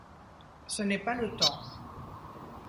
Ce n’est pas le temps.